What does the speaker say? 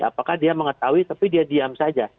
apakah dia mengetahui tapi dia diam saja